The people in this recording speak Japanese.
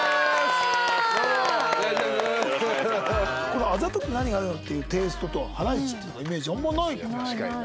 この『あざとくて何が悪いの？』っていうテイストとハライチってイメージあんまないかも。